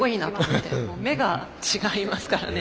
もう目が違いますからね。